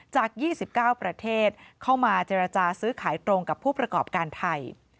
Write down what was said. จาก๒๙ประเทศเข้ามาเจรจาซื้อขายตรงกับผู้ประกอบการไทย